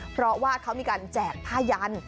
เพราะว่าเขามีการแจกผ้ายัน